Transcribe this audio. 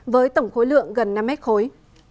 với tổng khối lượng gần năm mét khối